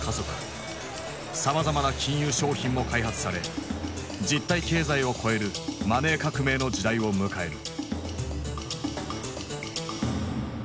さまざまな金融商品も開発され実体経済を超える「マネー革命」の時代を迎える。